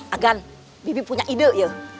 agan bibit punya ide ya